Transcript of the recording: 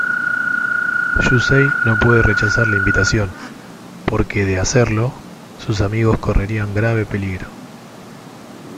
Yusei no puede rechazar la invitación, porque de hacerlo, sus amigos correrían grave peligro.